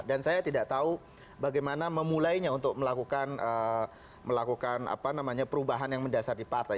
dan saya tidak tahu bagaimana memulainya untuk melakukan perubahan yang mendasar di partai